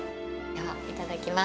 いただきます。